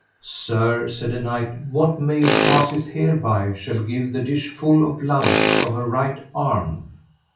Sir, said a knight, what maid passeth hereby shall give this dish full of blood of her right arm.